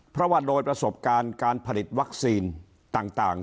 เพราะว่าโดยประสบการณ์การผลิตวัคซีนต่าง